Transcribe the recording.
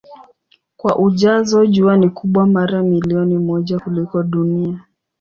Kwa ujazo Jua ni kubwa mara milioni moja kuliko Dunia.